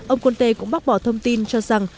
ông conte cũng bác bỏ thông tin cho rằng